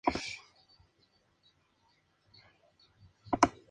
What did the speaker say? El desarrollo, a partir del huevo, puede ser directo o indirecto.